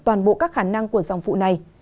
toàn bộ các khả năng của dòng vụ này